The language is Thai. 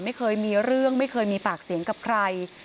ไม่เคยมีเรื่องไม่เคยมีปากเสียงกับใคร